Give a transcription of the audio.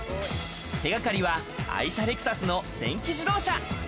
手掛かりは、愛車レクサスの電気自動車。